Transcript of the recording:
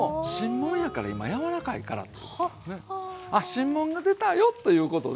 新もんが出たよということで。